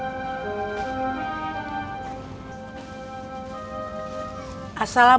tidak tidak boleh